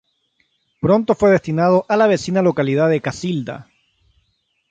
Pronto fue destinado a la vecina localidad de Casilda.